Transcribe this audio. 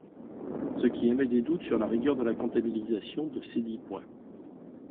Ce qui émet des doutes sur la rigueur de la comptabilisation de cesdits points.